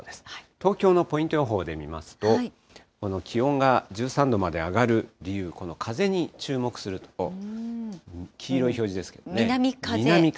東京のポイント予報で見ますと、この気温が１３度まで上がる理由、この風に注目すると、南風？